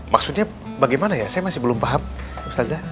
maksudnya bagaimana ya saya masih belum paham ustazah